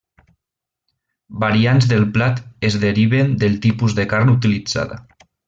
Variants del plat es deriven del tipus de carn utilitzada.